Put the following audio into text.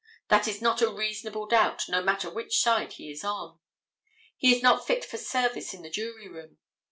That is not a reasonable doubt, no matter which side he is on. He is not fit for service in the jury room.